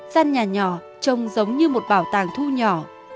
gian nhà nhỏ trông giống như một bảo tàng thu nhỏ